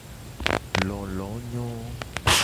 Lolo nyo.